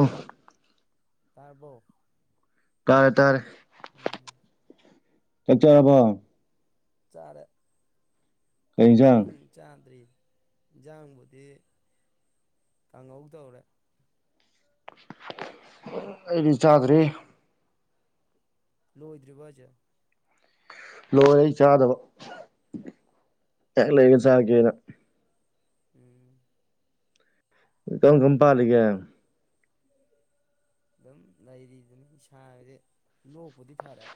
ꯑ ꯇꯥꯔꯕꯣꯛ ꯀꯥꯔꯦ ꯇꯔ ꯆꯆꯔꯔꯕꯣ ꯆꯔꯦ ꯀꯩ ꯏꯟꯖꯥꯡ ꯎꯪ ꯆꯥꯗ꯭ꯔꯤ ꯏꯟꯁꯥꯡꯕꯨꯗꯤ ꯀꯪꯍꯧ ꯇꯧꯔꯦ ꯑꯩꯗꯤ ꯆꯥꯗ꯭ꯔꯤ ꯂꯣꯏꯗ꯭ꯔꯤꯕꯖꯦ ꯂꯣꯏꯔꯦ ꯑꯩ ꯆꯥꯗꯕ ꯍꯥꯛ ꯂꯩꯒ ꯆꯥꯀꯦꯅ ꯎꯝ ꯏ ꯀꯒꯝ ꯄꯜꯂꯤꯒꯦ ꯑꯗꯨꯝ ꯂꯩꯔꯤꯗꯨꯅꯤ ꯁꯥꯕꯗꯤ ꯂꯣꯛꯄꯨꯗꯤ ꯐꯔꯦ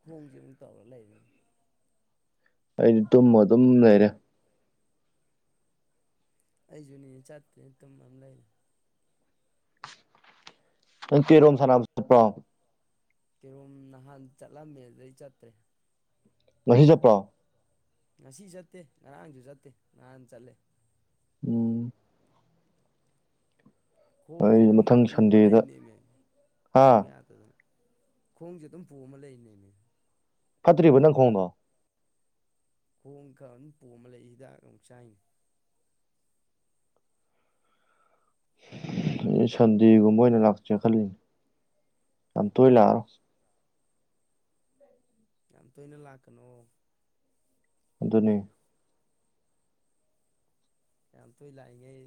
ꯈꯣꯡꯁꯤꯦ ꯑꯃꯨꯛ ꯇꯧꯔ ꯂꯩꯔꯤꯅꯤ ꯑꯩꯗꯤ ꯇꯨꯝꯃ ꯑꯗꯨꯝ ꯂꯩꯔꯦ ꯑꯩꯁꯨꯅꯦꯅꯦ ꯆꯥꯠꯇ꯭ꯔꯤ ꯇꯨꯝ ꯑꯃ ꯂꯩꯔꯦ ꯅꯪ ꯀꯤꯔꯣꯝ ꯁꯥꯟꯅꯕ ꯆꯠꯄ꯭ꯔꯣ ꯀꯤꯔꯣꯨꯝ ꯅꯍꯥꯟ ꯆꯠꯂꯝꯃꯦ ꯑꯗꯨꯗꯒꯤ ꯆꯠꯇ꯭ꯔꯦ ꯉꯖꯄ ꯉꯁꯤ ꯆꯠꯇꯦ ꯉꯔꯥꯡꯁꯨ ꯆꯠꯇꯦ ꯅꯍꯥꯟ ꯆꯠꯂꯦ ꯎꯝ ꯈꯣꯡꯁꯦ ꯑꯩ ꯑꯗꯨꯝ ꯃꯊꯪ ꯄꯨꯃ ꯁꯟꯗꯦꯗ ꯂꯩꯅꯦ ꯃ ꯍꯥ ꯐꯧ ꯌꯥꯗꯗꯅ ꯈꯣꯡꯁꯦ ꯑꯗꯨꯝ ꯄꯨ ꯑꯃ ꯂꯩꯅꯦꯅꯦ ꯐꯠꯇ꯭ꯔꯤꯕ ꯅꯪ ꯈꯣꯡꯗꯣ ꯈꯣꯡ ꯈꯔ ꯑꯗꯨꯝ ꯄꯣꯝꯃ ꯂꯩ ꯍꯤꯗꯥꯛ ꯑꯃꯨꯛ ꯆꯥꯏꯅꯤ ꯁꯟꯗꯦꯒꯨꯝꯕ ꯑꯣꯏꯅ ꯂꯥꯛꯆꯦ ꯈꯜꯂꯤꯅꯦ ꯌꯥꯝ ꯇꯣꯏ ꯂꯥꯛꯑꯔꯣ ꯌꯥꯝ ꯇꯣꯏꯅ ꯂꯥꯛꯀꯅꯨ ꯑꯗꯨꯅꯤ ꯌꯥꯝ ꯇꯨꯏ ꯂꯥꯛꯏꯉꯩ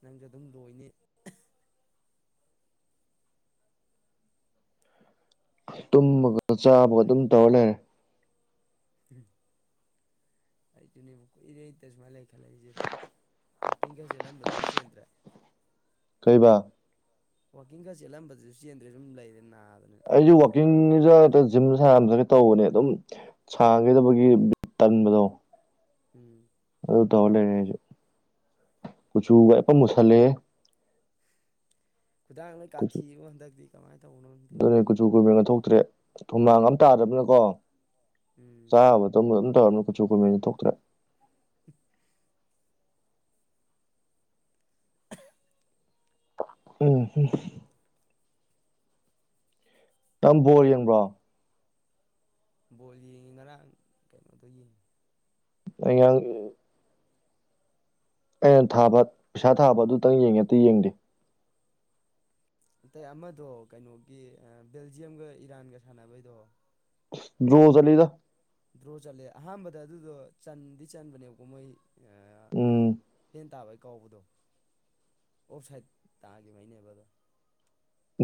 ꯅꯪꯁꯨ ꯑꯗꯨꯝ ꯂꯣꯏꯅꯤ ꯇꯨꯝ ꯆꯥꯕ ꯑꯗꯨꯝ ꯇꯧ ꯂꯩꯔꯦ ꯑꯩꯁꯨꯅꯦ ꯏꯔꯦꯇ ꯁꯨꯃꯥꯏꯅ ꯂꯩ ꯈꯜꯂꯛꯏꯁꯦ ꯋꯥꯀꯤꯡ ꯈꯔ ꯆꯦꯦꯜꯂꯝꯕꯗꯨꯁꯨ ꯆꯦꯟꯗ꯭ꯔꯦ ꯀꯕ ꯋꯥꯀꯤꯥꯁꯤꯦ ꯑꯩ ꯋꯥꯀꯤꯡ ꯖꯤꯝ ꯇꯧꯕꯅꯦ ꯑꯗꯨꯝ ꯁꯥꯡꯒꯗꯕꯒꯤ ꯇꯟꯕꯗꯣ ꯎꯝ ꯇꯧ ꯂꯩꯦꯁꯨ ꯀꯨꯆꯨꯒ ꯑꯦꯄ ꯃꯨꯁꯜꯂꯦ ꯈꯨꯗꯥꯡ ꯅꯣꯏ ꯀꯥꯊꯤꯨ ꯍꯟꯗꯛꯇꯤ ꯀꯃꯥꯏꯅ ꯇꯧꯕꯅꯣ ꯈꯪꯗꯦ ꯑꯗꯨꯅꯦ ꯀꯨꯆꯨ ꯀꯨꯃꯦꯟ ꯒꯥ ꯊꯣꯛꯇ꯭ꯔꯦ ꯊꯨꯝꯃꯥꯡ ꯑꯃ ꯇꯥꯗ꯭ꯔꯕꯅꯀꯣ ꯎꯝ ꯆꯥꯕ ꯊ ꯇꯔꯅ ꯀꯁꯨ ꯀꯃꯤꯅꯤ ꯊꯣꯛꯀ꯭ꯔ ꯎꯝ ꯎꯝ ꯇꯝꯕꯣꯔ ꯌꯦꯡꯕ꯭ꯔꯣ ꯕꯣꯜ ꯌꯦꯡꯉꯤ ꯉꯔꯥꯡ ꯀꯩꯅꯣꯗꯣ ꯌꯦꯡꯉꯤ ꯑꯌꯥꯥꯡ ꯑꯩꯅ ꯊꯥꯕ ꯄꯩꯁꯥ ꯊꯥꯕ ꯑꯗꯨꯇꯪ ꯌꯦꯡꯉꯦ ꯑꯇꯩ ꯌꯦꯡꯗꯦ ꯑꯇꯩ ꯑꯃꯥꯗꯣ ꯀꯩꯅꯣꯒꯤ ꯕꯦꯜꯖꯤꯌꯝꯒ ꯏꯔꯥꯟꯒ ꯁꯥꯟꯅꯕꯩꯗꯣ ꯑꯥꯁ ꯗꯔꯣ ꯆꯠꯂꯤꯗ ꯗ꯭ꯔꯣ ꯆꯠꯂꯦ ꯑꯍꯥꯟꯕꯗ ꯑꯗꯨꯗꯣ ꯆꯟꯗꯤ ꯆꯟꯕꯅꯦꯕꯀꯣ ꯃꯣꯏ ꯎꯝ ꯍꯦꯟ ꯇꯥꯕꯩ ꯀꯥꯎꯕꯗꯣ ꯑꯣꯐ ꯁꯥꯏꯠ ꯇꯥꯒꯤꯕꯩꯅꯦꯕ ꯑꯗꯣ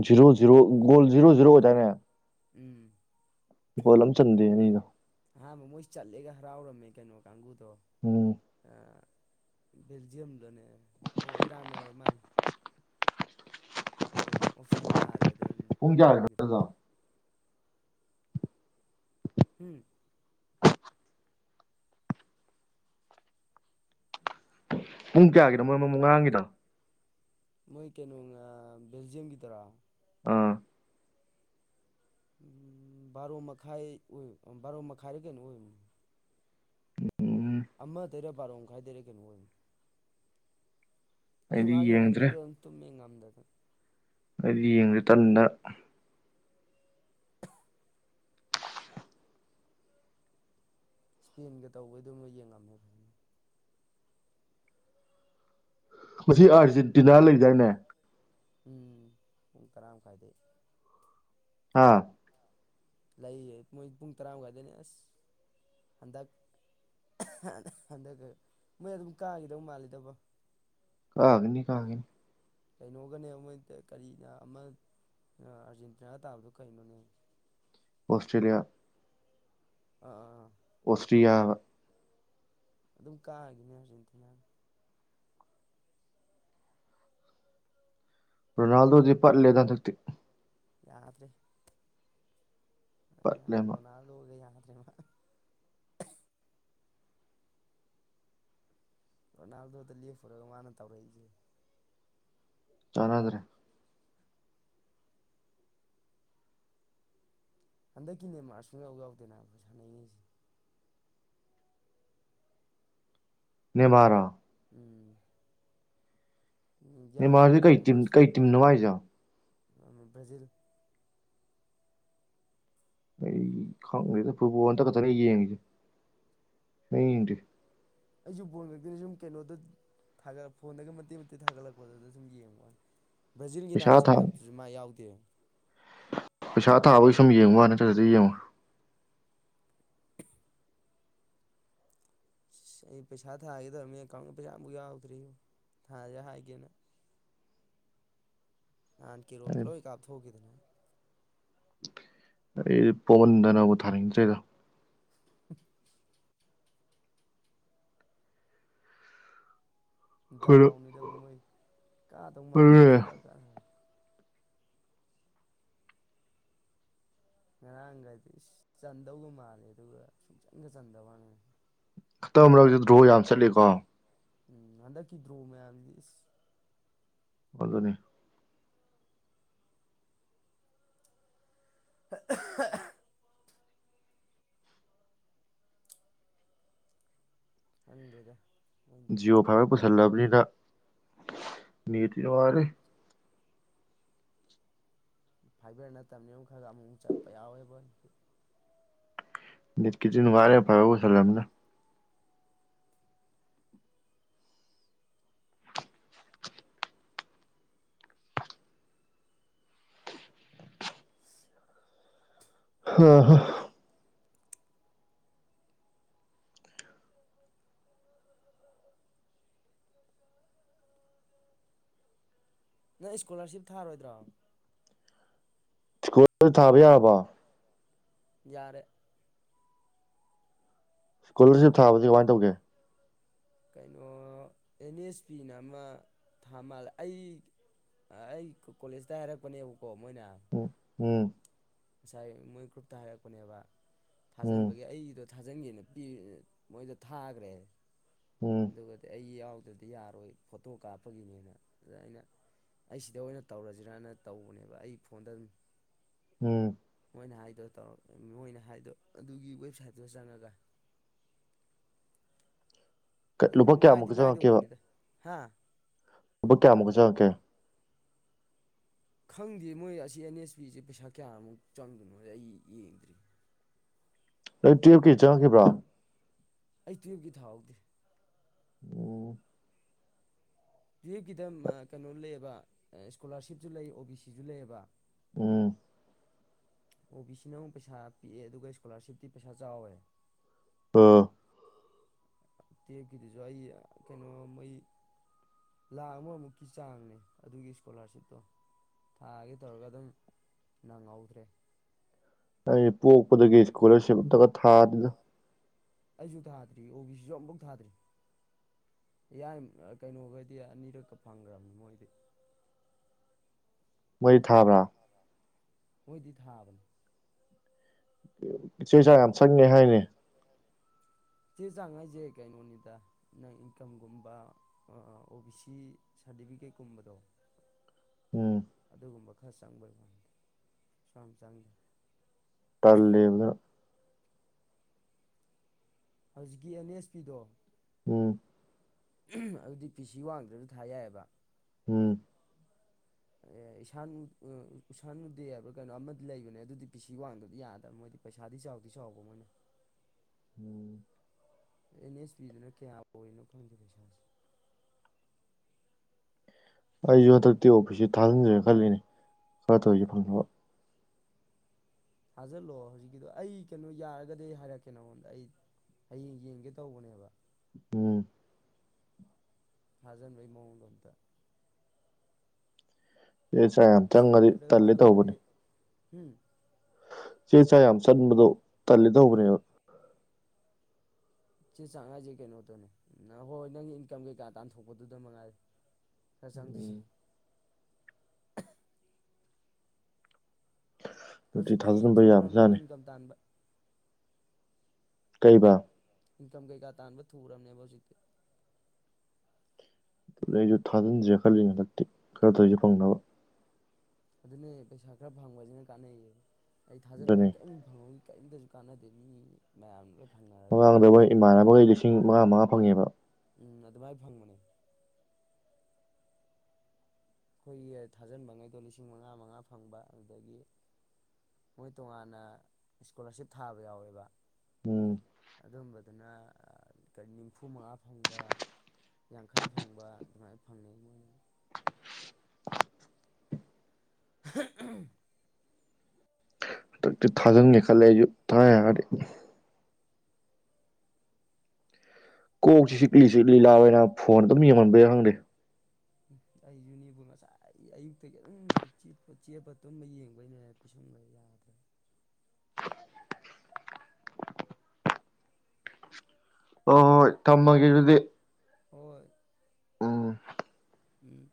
zero zero goal zero zero ꯑꯣꯏꯗꯥꯏꯅꯦ ꯎꯝ ꯒꯣꯜꯂꯝ ꯆꯟꯗꯦ ꯃꯤꯅꯥ ꯑꯥꯟꯕ ꯃꯣꯏꯁꯤ ꯆꯠꯂꯦꯒ ꯍꯔꯥꯎꯔꯝꯃꯦ ꯀꯩꯅꯣ ꯀꯥꯡꯕꯨ ꯇꯣ ꯎꯝ ꯕꯦꯜꯖꯤꯌꯝ ꯂꯥꯅꯦ ꯏꯔꯟ ꯑꯣꯏꯔꯥ ꯃꯥꯜ ꯑꯗꯨꯒ ꯑꯣꯐ ꯁꯥꯏ ꯇꯥꯔꯦ ꯑꯗꯨ ꯄꯨꯡ ꯌꯥꯔꯤꯕꯥ ꯂꯧꯈꯤꯗ꯭ꯔꯦ [unintelligible] ꯎꯝ ꯄꯨꯡ ꯀꯌꯥꯒꯤꯅꯣ ꯃꯣꯏ ꯃꯃꯥꯡ ꯉꯉꯥꯡꯒꯤꯗꯣ ꯃꯣꯏ ꯀꯩꯅꯩꯅꯣꯅꯨꯡ ꯕꯦꯜꯖꯤꯝꯒꯤ ꯗꯨꯔꯣ ꯑꯥ ꯎꯝ ꯕꯥꯔꯣ ꯃꯈꯥꯏ ꯑꯣꯏ ꯕꯥꯔꯣ ꯃꯈꯥꯏ ꯗꯔꯥ ꯀꯔꯤꯅꯣꯅ ꯑꯣꯏ ꯎꯝ ꯑꯃ ꯇꯔꯥ ꯕꯥꯔꯣ ꯈꯥꯏꯗꯦꯔꯦ ꯀꯩ ꯅꯣ ꯑꯣꯏꯕꯅꯤ ꯑꯩꯁꯨ ꯑꯩꯗꯤ ꯉꯥꯏꯍꯥꯛ ꯌꯦꯡꯉꯝꯃꯦ ꯌꯦꯡꯗ꯭ꯔꯦ ꯑꯗꯨ ꯑꯗꯨꯝ ꯇꯨꯝꯃꯤ ꯉꯝꯗꯦ ꯂꯧ ꯑꯗꯨ ꯑꯩꯗꯤ ꯌꯦꯡꯗꯔꯦ ꯇꯟꯗꯅꯥ ꯏꯁꯄꯦꯟꯒ ꯇꯧꯕꯩꯗꯨꯝꯅ ꯌꯦꯡꯉꯝꯃꯦ ꯐ ꯃꯁꯤ ꯑꯥꯔꯖꯦꯟꯇꯤꯅꯥ ꯂꯩꯗꯥꯏꯅꯦ ꯎꯝ ꯄꯨꯡ ꯇꯔꯥ ꯃꯈꯥꯏꯗꯩꯩ ꯑꯥ ꯂꯩꯌꯦ ꯃꯣꯏ ꯄꯨꯡ ꯇꯔꯥꯃꯨꯗꯥꯥꯏꯗꯅꯦ ꯑꯁ ꯍꯟꯗꯛ ꯍꯟꯗꯛ ꯃꯣꯏ ꯑꯗꯨꯝ ꯀꯥꯈꯤꯗꯧ ꯃꯥꯜꯂꯤꯗꯕ ꯀꯥꯒꯅꯤ ꯀꯥꯒꯅꯤ ꯀꯩꯅꯣꯒꯅꯦ ꯃꯣꯏ ꯀꯔꯤꯅ ꯑꯃ ꯑꯥꯔꯖꯦꯟꯇꯤꯅꯥ ꯇꯥꯕꯗꯣ ꯀꯩꯅꯣꯅꯦ ꯑꯣꯁꯇ꯭ꯔꯦꯂꯤꯌꯥ ꯑ ꯑꯣꯁꯇꯔꯤꯌꯥ ꯕꯥ ꯑꯗꯨꯝ ꯀꯥꯒꯤꯅꯦ ꯍꯧꯖꯤꯛ ꯏꯇꯤ ꯅꯍꯥꯟ ꯔꯣꯅꯥꯜꯗꯣ ꯄ ꯂꯩꯗ ꯁꯛꯇꯤ ꯌꯥꯗ꯭ꯔꯦ ꯄꯠꯂꯦ ꯃꯥ ꯔꯣꯅꯥꯜꯗꯣꯒꯦꯍ [unintelligible] ꯔꯣꯅꯥꯜꯗꯣ ꯂ ꯐꯔ ꯃꯥꯅ ꯇꯧꯔꯖ ꯆꯥꯟ ꯑꯗꯨ꯭ꯔꯦ ꯍꯟꯗꯛꯀꯤꯅꯦ ꯃꯥꯔꯁ ꯌꯥꯎ ꯌꯥꯎꯗꯦꯅ ꯑꯩꯣꯏ ꯁꯥꯟꯅꯉꯁꯦ ꯅꯤꯕꯔꯥ ꯎꯝ ꯃꯔꯁꯤ ꯌꯥꯎꯅꯤꯒ ꯀ ꯇꯧꯔꯝꯕ ꯀꯩ ꯇꯤꯝ ꯅꯨꯡꯉꯥꯏꯖ ꯕ꯭ꯔꯥꯖꯤꯜ ꯑꯩ ꯈꯪꯒ꯭ꯔꯦꯗ ꯐꯟꯗ ꯀ ꯂꯩꯅꯤꯗ ꯑꯩꯁꯨ ꯐꯕꯣꯟ ꯈꯛꯇꯤꯅ ꯁꯨꯝ ꯀꯩꯅꯣꯗ ꯊꯥꯒꯠꯛ ꯐꯣꯟꯗꯒ ꯃꯇꯦꯛ ꯃꯇꯦꯛ ꯊꯥꯒꯠꯂꯛꯄꯗꯨꯗ ꯁꯨꯝ ꯌꯦꯡꯉꯣꯅꯤ ꯕ꯭ꯔꯥꯖꯤꯜꯒꯤ ꯄꯩꯁꯥ ꯅꯥꯥꯟ ꯊꯥ ꯁꯥꯟꯅꯕꯗꯨꯁꯨ ꯃꯥ ꯌꯥꯎꯗꯦ ꯄꯩꯁꯥ ꯊꯥꯕꯒꯤ ꯁꯨꯝ ꯌꯦꯡꯉꯨ ꯋꯥ ꯅꯠꯇ꯭ꯔꯗ ꯌꯦꯡꯉꯨ ꯑꯁ ꯑꯩ ꯄꯩꯁꯥ ꯊꯥꯒꯗꯕꯅꯦ ꯀꯥꯎꯒꯤ ꯄꯩꯁꯥꯃꯨꯛ ꯌꯥꯎꯗ꯭ꯔꯤ ꯊꯥꯁꯦ ꯍꯥꯏꯒꯦꯅ ꯅ ꯀ ꯔꯣꯝꯗ ꯑꯩ ꯂꯣꯏ ꯀꯥꯞ ꯊꯒꯦꯗꯅꯦ ꯑꯩ ꯄꯕꯟꯗꯅꯕꯨ ꯊꯥꯔꯁꯦꯗ ꯈꯔ ꯗꯥꯎꯅꯤꯗꯕꯨ ꯃꯣꯏ ꯀꯥꯗꯧ ꯑꯗꯨꯅꯦ ꯃꯥꯜꯂꯒ ꯁꯨꯡꯀꯥ ꯀꯥ ꯉꯔꯥꯡꯒꯗꯤ ꯆꯟꯗꯒ ꯃꯥꯜꯂꯦ ꯑꯗꯨꯒ ꯁꯨꯡꯆꯪꯒ ꯆꯟꯗꯕꯅꯤ ꯈꯛꯇ ꯑꯃꯛꯇ ꯗ꯭ꯔꯣ ꯌꯥꯝ ꯆꯠꯂꯤꯀꯣ ꯎꯝ ꯍꯟꯗꯛꯀꯤ ꯗ꯭ꯔꯣ ꯃꯌꯥꯝꯗꯤ ꯋꯥ ꯑꯗꯨꯅꯤ [unintelligible] ꯍꯗꯦꯗ ꯖꯤꯑꯣ ꯐꯥꯏꯕꯔ ꯄꯨꯁꯜꯂꯕꯅꯤꯅ ꯅꯅꯤꯇ ꯃꯥꯔꯦ ꯐꯥꯏꯕꯔ ꯅꯠꯇꯕꯅꯤ ꯑꯃ ꯈꯔꯒ ꯑꯃꯨꯛ ꯆꯠꯄ ꯌꯥꯎꯋꯦꯕ ꯀꯇ ꯋꯥꯔꯦ ꯐꯥꯎ ꯊꯂ ꯑꯅ ꯑ ꯍ ꯅꯪ ꯏꯁꯀꯣꯂꯥꯔꯁꯤꯞ ꯊꯥꯔꯣꯏꯗ꯭ꯔꯣ ꯁ꯭ꯀꯨꯜ ꯊꯥꯕ ꯌꯥꯔꯕ ꯌꯥꯔꯦ ꯏꯁꯀꯣꯂꯥꯔꯁꯤꯞ ꯊꯥꯕꯗꯤ ꯀꯃꯥꯏꯅ ꯇꯧꯒꯦ ꯀꯩꯅꯣ ꯑꯦꯟ ꯑꯦꯁ ꯄꯤꯅ ꯑꯃ ꯊꯥ ꯃꯥꯜꯂꯦ ꯑꯩ ꯑꯩ ꯀꯣꯂꯦꯖꯇ ꯍꯥꯏꯔꯛꯄꯅꯦꯕ ꯀꯣ ꯃꯣꯏꯅ ꯎꯝ ꯎꯝ ꯉꯁꯥꯏ ꯃꯣꯏ ꯒ꯭ꯔꯨꯞꯇ ꯍꯥꯏꯔꯛꯄꯅꯦꯕ ꯎꯝ ꯊꯥꯖꯤꯟꯕꯒꯤꯦ ꯑꯩꯗꯣ ꯊꯥꯖꯤꯟꯒꯦꯅ ꯄꯤ ꯃꯣꯏꯗ ꯊꯥꯈ꯭ꯔꯦ ꯎꯝ ꯑꯗꯨꯒ ꯑꯗꯨꯒ ꯑꯩ ꯌꯥ ꯑꯗꯨꯗꯤ ꯌꯥꯔꯣꯏ ꯐꯣꯇꯣ ꯀꯥꯞꯄꯒꯤꯅꯦꯅ ꯑꯗꯨꯗ ꯑꯩꯅ ꯑꯩ ꯁꯤꯗ ꯑꯣꯏꯅ ꯇꯧꯔꯁꯤꯔꯅ ꯇꯧꯕꯅꯦꯕ ꯑꯩ ꯐꯣꯟꯗ ꯑꯗꯨꯝ꯫ ꯎꯝ꯫ ꯑꯩꯅ ꯍꯥꯏꯗꯣ ꯇꯧꯔꯝ ꯃꯣꯏꯅ ꯍꯥꯏꯗꯣ ꯑꯗꯨꯒꯤ ꯋꯦꯕꯁꯥꯏꯠꯇꯨꯗ ꯆꯪꯉꯒ꯫ ꯀ ꯂꯨꯄꯥ ꯀꯌꯥꯃꯨꯛꯀ ꯆꯪꯉꯛꯀꯦꯕ꯫ ꯍꯥꯥ꯫ ꯂꯨꯄꯥ ꯀꯌꯥꯃꯨꯛꯀ ꯆꯪꯉꯛꯀꯦ꯫ ꯈꯪꯗꯦ ꯃꯣꯏ ꯑꯁꯤ ꯑꯦꯟ ꯑꯦꯁ ꯄꯤꯁꯦ ꯄꯩꯁꯥ ꯀꯌꯥꯃꯨꯛ ꯆꯪꯗꯣꯏꯅꯣ ꯍꯥꯏ ꯑꯩ ꯌꯦꯡꯗ꯭ꯔꯤ꯫ ꯅꯪ ꯇ꯭ꯋꯦꯜꯞꯀꯤ ꯆꯪꯉꯛꯈꯤꯕ꯭ꯔꯣ꯫ ꯑꯩ ꯇ꯭ꯋꯦꯜꯞꯀꯤ ꯊꯥꯍꯧꯗꯦ꯫ ꯎꯝ ꯇꯨꯋꯦꯜꯞꯀꯤꯗ ꯀꯩꯅꯣ ꯂꯩꯌꯦꯕ ꯏꯁ꯭ꯀꯣꯂꯔꯁꯤꯞꯁꯨ ꯂꯩ ꯑꯣ_ꯕꯤ_ꯁꯤ ꯁꯨ ꯂꯩꯌꯦꯕ꯫ ꯎꯝ꯫ ꯑꯣ_ꯕꯤ_ꯁꯤ ꯅ ꯑꯃꯨꯛ ꯄꯩꯁꯥ ꯄꯤꯛꯑꯦ ꯑꯗꯨꯒ ꯏꯁ꯭ꯀꯣꯂꯔꯁꯤꯞꯇꯤ ꯄꯩꯁꯥ ꯆꯥꯎꯋꯦ꯫ ꯑꯥ꯫ ꯇ꯭ꯋꯦꯞꯀꯤꯗꯨꯁꯨ ꯑꯩ ꯀꯩꯅꯣ ꯃꯩ ꯂꯥꯛ ꯑꯃꯃꯨꯛꯀꯤ ꯆꯥꯡꯅꯦ ꯑꯗꯨꯒꯤ ꯏꯁꯀꯣꯂꯔꯁꯤꯞꯇꯣ ꯊꯥꯒꯦ ꯇꯧꯔꯒ ꯑꯗꯨꯝ ꯅꯪꯍꯧꯗ꯭ꯔꯦ꯫ ꯑꯩ ꯄꯣꯛꯄꯗꯒꯤ ꯏꯁꯀꯣꯂꯔꯁꯤꯞ ꯑꯝꯇꯒ ꯊꯥꯗꯦꯗ꯫ ꯑꯩꯁꯨ ꯊꯥꯗ꯭ꯔꯤ ꯑꯣ_ꯕꯤ_ꯁꯤ ꯁꯨ ꯑꯃꯝꯐꯥꯎ ꯊꯥꯗ꯭ꯔꯤ ꯌꯥꯏꯝ ꯀꯩꯅꯣꯒꯗꯤ ꯑꯅꯤꯔꯛꯀ ꯐꯪꯒ꯭ꯔꯕꯅꯤ ꯃꯣꯏꯗꯤ꯫ ꯃꯣꯏ ꯊꯥꯕ꯭ꯔ꯫ ꯃꯣꯏꯗꯤ ꯊꯥꯕꯅꯤ꯫ ꯏ ꯆꯦ ꯆꯥꯡ ꯌꯥꯝ ꯆꯪꯉꯦ ꯍꯥꯏꯅꯦ꯫ ꯆꯦ ꯆꯥꯡ ꯍꯥꯏꯖꯦ ꯀꯩꯅꯣꯅꯤꯗ ꯅꯪ ꯏꯟꯀꯝꯒꯨꯝꯕ ꯑꯥ ꯑꯣ_ꯕꯤ_ꯁꯤ ꯁꯥꯔꯇꯤꯐꯤꯀꯦꯠꯀꯨꯝꯕꯗꯣ꯫ ꯎꯝ꯫ ꯑꯗꯨꯒꯨꯝꯕ ꯈꯔ ꯆꯪꯕꯩ ꯋꯥꯅꯤꯗ ꯀꯩꯁꯨ ꯌꯥꯝ ꯆꯪꯗꯦ꯫ ꯇꯜꯂꯤꯅ꯫ ꯍꯧꯖꯤꯛꯀꯤ ꯑꯦꯟ_ꯑꯦꯁ_ꯄꯤ ꯗꯣ꯫ ꯎꯝ꯫ ꯑꯗꯨꯗꯤ ꯄꯤ_ꯁꯤ ꯋꯥꯡꯗ꯭ꯔꯁꯨ ꯊꯥ ꯌꯥꯏꯌꯦꯕ꯫ ꯎꯝ꯫ ꯑꯦ ꯏꯁꯥꯟ ꯎ ꯎꯗꯦ ꯍꯥꯏꯕ꯭ꯔ ꯀꯩꯅꯣ ꯑꯃꯗꯤ ꯂꯩꯕꯅꯦ ꯑꯗꯨꯗꯤ ꯄꯤ_ꯁꯤ ꯋꯥꯡꯗꯗꯤ ꯌꯥꯗꯕꯅꯦ ꯃꯣꯏꯗꯤ ꯄꯩꯁꯥꯗꯤ ꯆꯥꯎꯗꯤ ꯆꯥꯎꯕ ꯃꯣꯏꯅ꯫ ꯎꯝ꯫ ꯑꯦꯟ_ꯑꯦꯁ_ꯄꯤ ꯗꯨꯅ ꯀꯌꯥ ꯑꯣꯏꯅꯣ ꯈꯪꯗꯦ ꯄꯩꯁꯥꯁꯤ꯫ ꯑꯩꯖꯨ ꯍꯟꯗꯛꯇꯤ ꯑꯣ_ꯕꯤ_ꯁꯤ ꯊꯥꯖꯤꯟꯖꯤꯔ ꯈꯜꯂꯤꯅꯦ ꯈꯔ ꯇꯧꯔꯤꯁꯦ ꯐꯪꯅꯕ꯫ ꯊꯥꯖꯤꯜꯂꯣꯑꯣ ꯍꯧꯖꯤꯛꯀꯤꯗꯣ ꯑꯩ ꯀꯩꯅꯣ ꯌꯥꯔꯒꯗꯤ ꯍꯥꯏꯔꯛꯀꯦ ꯅꯉꯣꯟꯗ ꯑꯩ ꯍꯌꯦꯡ ꯌꯦꯡꯒꯦ ꯇꯧꯕꯅꯦꯕ꯫ ꯎꯝ꯫ ꯊꯥꯖꯟꯕꯩ ꯃꯑꯣꯡꯗꯣ ꯑꯝꯇ꯫ ꯆꯦ ꯆꯥꯡ ꯌꯥꯝ ꯆꯪꯉꯗꯤ ꯇꯜꯂꯤ ꯇꯧꯕꯅꯤ꯫ ꯎꯝ꯫ ꯆꯦ ꯆꯥꯡ ꯌꯥꯝ ꯆꯡꯕꯗꯣ ꯇꯜꯂꯦ ꯇꯧꯕꯅꯦꯕ꯫ ꯆꯦ ꯆꯥꯡ ꯍꯥꯏꯖꯦ ꯀꯩꯅꯣꯗꯨꯅꯤ ꯅ ꯍꯣꯏ ꯍꯣꯏ ꯅꯪꯒꯤ ꯏꯟꯀꯝ ꯀꯩꯀꯥ ꯇꯥꯟꯊꯣꯛꯄꯗꯨꯗ ꯃꯉꯥꯏꯔꯦ꯫ ꯈꯔ ꯆꯪꯗꯣꯏꯁꯦ꯫ ꯎꯝ ꯑꯗꯨꯗꯤ ꯍꯧꯖꯤꯛꯇꯤ ꯊꯥꯖꯤꯟꯕ ꯊꯨꯨꯔꯝꯅꯦꯕ ꯌꯥꯕꯖꯥꯠꯅꯤ ꯏꯟꯀꯝ ꯇꯥꯟꯕ꯫ ꯀꯩꯕ꯫ ꯏꯟꯀꯝ ꯀꯩꯀꯥ ꯇꯥꯟꯕ ꯊꯨꯔꯕꯅꯦꯕ ꯍꯧꯖꯤꯛꯇꯤ꯫ ꯑꯗꯨ ꯑꯩꯁꯨ ꯊꯥꯖꯤꯟꯁꯤꯔ ꯈꯜꯂꯤꯅꯦ ꯍꯟꯗꯛꯇꯤ ꯈꯔ ꯇꯧꯔꯤꯁꯦ ꯐꯪꯅꯕ꯫ ꯑꯗꯨꯅꯦ ꯄꯩꯁꯥ ꯈꯔ ꯐꯪꯕꯁꯤꯅ ꯀꯥꯟꯅꯩꯌꯦ꯫ ꯑꯩ ꯑꯗꯨꯅꯤ ꯊꯥꯖꯜꯍꯧꯏ ꯀꯦꯝ ꯐꯪꯍꯧ ꯏꯓ ꯆꯗꯨꯀꯥꯗ ꯃꯤ ꯃꯌꯥꯝ ꯐꯪꯅꯔꯒ ꯃꯃꯥꯡꯗꯕꯣꯏ ꯏꯃꯥꯟꯅꯕ ꯑꯣꯏꯔꯤꯁꯤꯦ ꯏꯁꯤꯡ ꯃꯉꯥ ꯃꯉꯥ ꯐꯪꯉꯦꯕ ꯎꯝ ꯑꯗꯨꯃꯥꯏꯅ ꯐꯪꯕꯅꯦ ꯑꯩꯈꯣꯏꯒꯤ ꯊꯥꯖꯤꯟꯕꯉꯩꯗꯣ ꯂꯤꯁꯤꯡ ꯃꯉꯥ ꯃꯉꯥ ꯐꯪꯕ ꯑꯗꯨꯗꯒꯤ ꯃꯣꯏ ꯇꯣꯉꯥꯟꯅ ꯏꯁꯀꯣꯂꯥꯔꯁꯤꯞ ꯊꯥꯕ ꯌꯥꯎꯋꯦꯕ ꯎꯝ ꯑꯗꯨꯝꯕꯗꯨꯅ ꯀ ꯅꯤꯝꯐꯨ ꯃꯉꯥ ꯐꯪꯕ ꯌꯥꯡꯈꯩ ꯐꯪꯕ ꯑꯗꯨꯃꯥꯏꯅ ꯐꯪꯅꯩ ꯃꯣꯏꯅ [unintelligible] ꯍꯟꯗꯛꯇꯤ ꯊꯥꯖꯤꯟꯒꯦ ꯈꯜꯂꯦ ꯑꯩꯁꯨ ꯊꯥ ꯌꯥꯔꯦ ꯀꯣꯛꯁꯤ ꯁꯤꯛꯂꯤ ꯁꯤꯛ ꯂꯤꯂꯥꯑꯣ ꯑꯣꯏꯅ ꯐꯣꯟ ꯑꯗꯨꯝ ꯌꯦꯡꯍꯟꯕ ꯌꯥꯏ ꯈꯪꯗꯦ ꯎ ꯑꯩ ꯌꯨꯅꯤꯕꯨ ꯉꯁꯥꯏ ꯑꯌꯨꯛꯇ ꯈꯤ ꯑꯗꯨꯝ ꯆꯦꯠꯄ ꯇꯨꯝꯕ ꯌꯦꯡꯕꯩꯅꯦ ꯄꯤꯁꯟꯕ ꯌꯥꯗ꯭ꯔꯦ ꯑꯣ ꯇꯃ ꯀꯗꯤ ꯍꯣꯏꯣꯏ ꯎꯝ